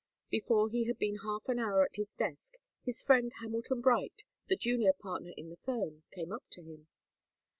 Before he had been half an hour at his desk, his friend Hamilton Bright, the junior partner in the firm, came up to him.